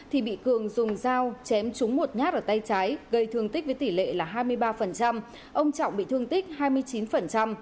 thì bị cường dùng dao chém trúng một nhát ở tay trái gây thương tích với tỷ lệ là hai mươi ba ông trọng bị thương tích hai mươi chín